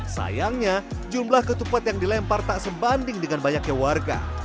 sayangnya jumlah ketupat yang dilempar tak sebanding dengan banyaknya warga